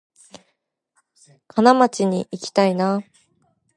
金町にいきたいな